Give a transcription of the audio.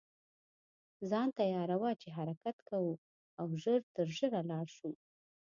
ځان تیاروه چې حرکت کوو او ژر تر ژره لاړ شو.